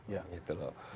ya gitu loh